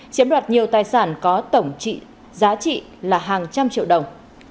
chiếm đoạt nhiều tài sản có tổng trị giá trị là hàng trăm triệu đồng